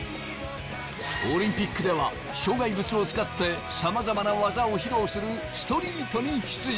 オリンピックでは障害物を使ってさまざまな技を披露するストリートに出場。